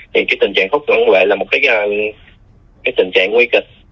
thì cái tình trạng phản vệ là một cái tình trạng nguy kịch